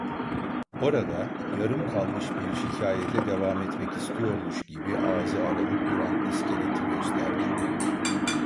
Orada; yarım kalmış bir şikayete devam etmek istiyormuş gibi, ağzı aralık duran iskeleti gösterdi.